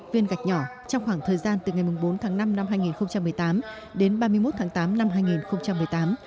viên gạch nhỏ trong khoảng thời gian từ ngày bốn tháng năm năm hai nghìn một mươi tám đến ba mươi một tháng tám năm hai nghìn một mươi tám